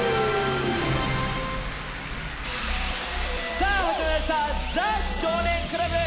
さあ始まりました「ザ少年倶楽部」。